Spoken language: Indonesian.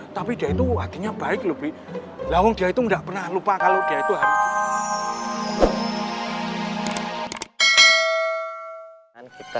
tapi dia itu artinya baik lebih lawang dia itu nggak pernah lupa kalau dia itu